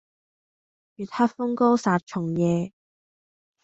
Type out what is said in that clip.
月黑風高殺蟲夜